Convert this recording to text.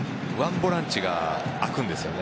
ボランチが空くんですよね。